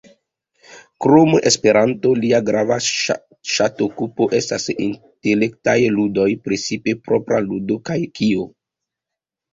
Krom Esperanto, lia grava ŝatokupo estas intelektaj ludoj, precipe "Propra ludo" kaj "Kio?